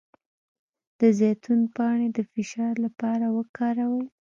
د زیتون پاڼې د فشار لپاره وکاروئ